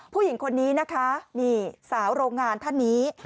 ผู้หญิงคนนี้นะคะนี่สาวโรงงานท่านนี้